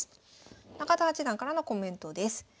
中田八段からのコメントです。